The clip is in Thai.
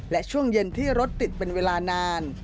และช่วงเย็นที่รถติดเป็นเวลานาน